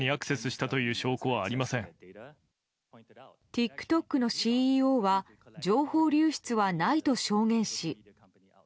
ＴｉｋＴｏｋのＣＥＯは情報流出はないと証言し。